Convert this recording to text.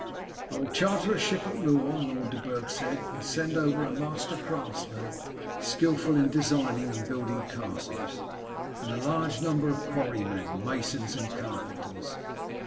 "I will charter a ship at Rouen," Lord de Burg said, "and send over a master craftsman, skilful in designing and building castles, and a large number of quarrymen, masons, and carpenters.